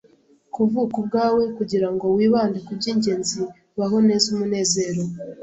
Kuvuka ubwawe kugirango wibande kubyingenzi Baho neza umunezero